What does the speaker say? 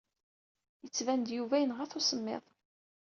Yettban-d Yuba yenɣa-t usemmiḍ.